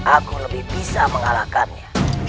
aku lebih bisa mengalahkannya